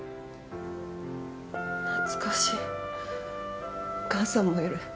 懐かしいお義母さんもいる